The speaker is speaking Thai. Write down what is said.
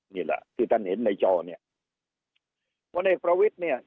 นี่แหละที่ท่านเห็นในจอเนี่ยพลเอกประวิทย์เนี่ย